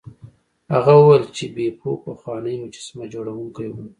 هغه وویل چې بیپو پخوانی مجسمه جوړونکی و.